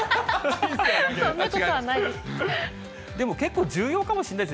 そんなことはないです。